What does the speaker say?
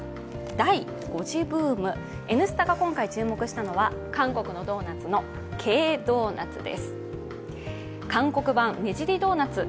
「Ｎスタ」が今回注目したのは韓国のドーナツのＫドーナツです。